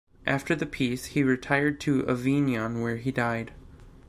After the peace, he retired to Avignon, where he died.